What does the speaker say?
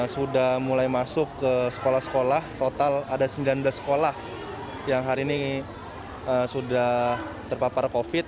sudah mulai masuk ke sekolah sekolah total ada sembilan belas sekolah yang hari ini sudah terpapar covid